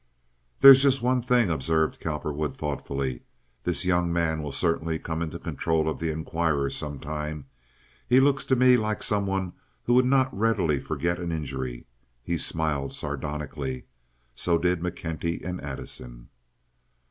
"There is just one thing," observed Cowperwood, thoughtfully. "This young man will certainly come into control of the Inquirer sometime. He looks to me like some one who would not readily forget an injury." He smiled sardonically. So did McKenty and Addison.